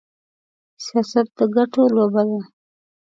سياست د ګټو لوبه ده.